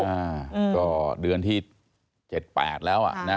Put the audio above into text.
อ่าก็เดือนที่๗๘แล้ว